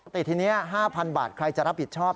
แต่ทีนี้๕๐๐บาทใครจะรับผิดชอบ